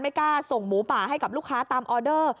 กล้าส่งหมูป่าให้กับลูกค้าตามออเดอร์